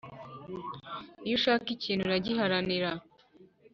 Iyo ushaka ikintu uragiharanira